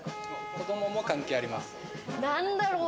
子どもも関係あります。